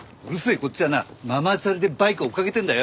こっちはなママチャリでバイク追いかけてるんだよ！